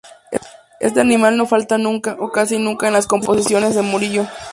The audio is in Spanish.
Este animal no falta nunca o casi nunca en las composiciones de Murillo.